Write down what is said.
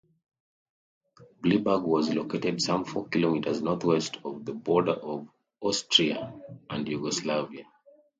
Bleiburg was located some four kilometres northwest of the border of Austria and Yugoslavia.